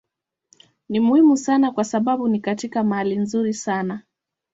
Ni muhimu sana kwa sababu ni katika mahali nzuri sana.